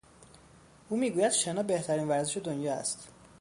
او میگوید شنا بهترین ورزش دنیا است.